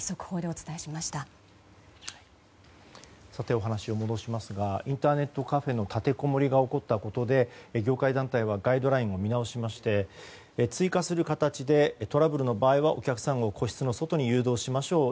お話を戻しますがインターネットカフェの立てこもりが起こったことで業界団体はガイドラインを見直しまして追加する形でトラブルの場合はお客さんを個室の外に誘導しましょう。